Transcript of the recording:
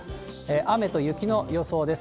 雨と雪の予想です。